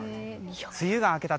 梅雨が明けた